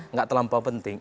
nggak terlampau penting